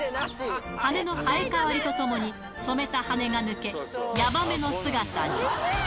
羽根の生えかわりとともに、染めた羽根が抜け、ヤバめの姿に。